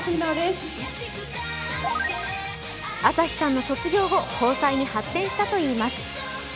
朝日さんの卒業後、交際に発展したといいます。